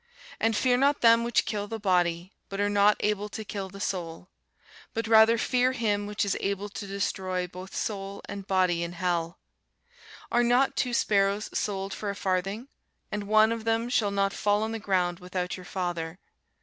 And fear not them which kill the body, but are not able to kill the soul: but rather fear him which is able to destroy both soul and body in hell. Are not two sparrows sold for a farthing? and one of them shall not fall on the ground without your Father.